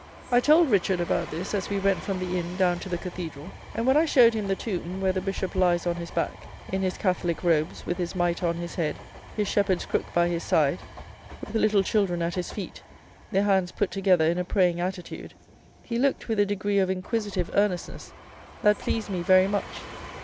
I told Richard about this as we went from the inn down to the cathedral; and, when I showed him the tomb, where the bishop lies on his back, in his Catholic robes, with his mitre on his head, his shepherd's crook by his side, with little children at his feet, their hands put together in a praying attitude, he looked with a degree of inquisitive earnestness that pleased me very much.